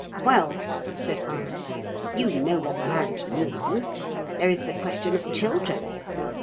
"Well " said I. "You know what marriage means. There is the question of children."